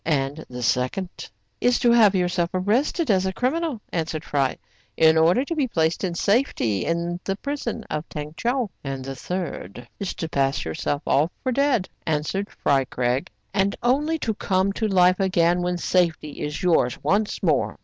"And the second?*' "Is to have yourself arrested as a criminal,'* answered Fry, "in order to be placed in safety in the prison of Tong Tcheou.*' " And the third ?"Is to pass yourself off for dead," answered Fry Craig, " and only to come to life again when safety is yours once more.